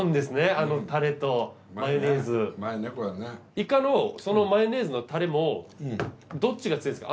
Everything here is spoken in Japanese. イカのそのマヨネーズのタレもどっちが強いんですか？